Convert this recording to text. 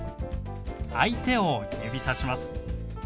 相手を指さします。